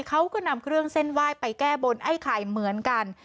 เขาก็นำเครื่องเส้นไหว้ไปแก้บนไอ้ไข่เหมือนกัน